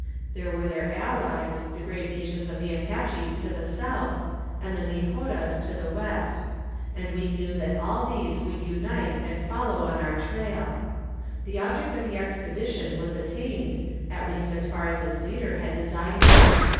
There were their allies, the great nations of the Apaches to the south, and the Nijoras to the west; and we knew that all these would unite and follow on our trail. The object of the expedition was attained, at least as far as its leader had designed it.